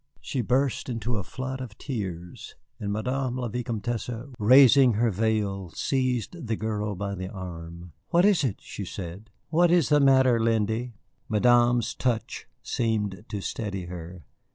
She burst into a flood of tears. And Madame la Vicomtesse, raising her veil, seized the girl by the arm. "What is it?" she said. "What is the matter, Lindy?" Madame's touch seemed to steady her.